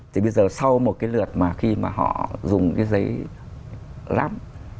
thì bây giờ sau một cái lượt mà khi mà họ dùng cái giấy lắp